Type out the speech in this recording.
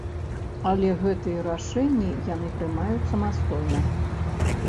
Але гэтыя рашэнні яны прымаюць самастойна.